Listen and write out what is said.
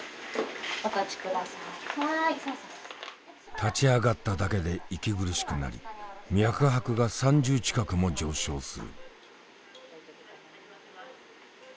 立ち上がっただけで息苦しくなり脈拍が３０近くも上昇する。